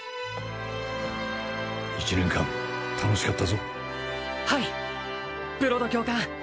１年間楽しかったぞはいブロド教官